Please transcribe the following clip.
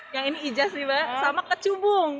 yang ini ijas nih mbak sama kecubung